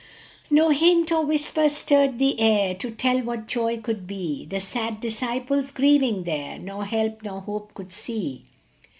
No hint or whisper stirred the air To tell what joy should be ; The sad disciples, grieving there, Nor help nor hope could see.